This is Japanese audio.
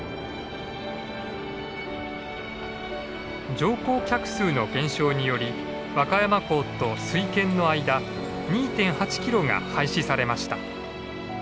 乗降客数の減少により和歌山港と水軒の間２．８キロが廃止されました。